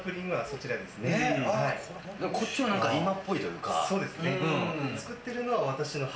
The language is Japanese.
こっちは今っぽいというか。